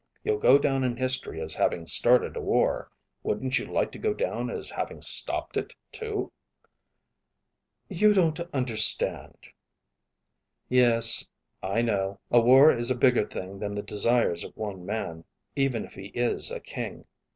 You'll go down in history as having started a war. Wouldn't you like to go down as having stopped it too?" "You don't understand...." "Yes, I know. A war is a bigger thing that the desires of one man, even if he is a king.